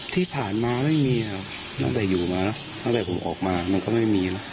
ที่ผ่านมาไม่มีครับตั้งแต่อยู่มาตั้งแต่ผมออกมามันก็ไม่มีนะ